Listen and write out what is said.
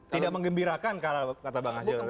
tidak mengembirakan kata bang nasir